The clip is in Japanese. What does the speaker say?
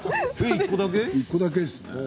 １個だけです。